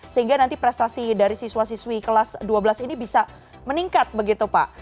sehingga nanti prestasi dari siswa siswi kelas dua belas ini bisa meningkat begitu pak